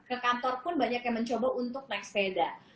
ke kantor pun banyak yang mencoba untuk naik sepeda